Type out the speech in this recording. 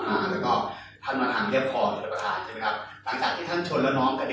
อันนี้คันจะชิดใหญ่ยังไงบ้างครับตามตามตามรถท่านนะครับ